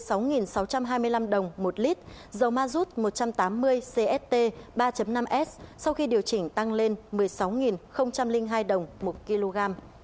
xăng e năm ron chín mươi hai tăng lên một mươi sáu sáu trăm hai mươi năm đồng một lít dầu mazus một trăm tám mươi cst ba năm s sau khi điều chỉnh tăng lên một mươi sáu hai đồng một kg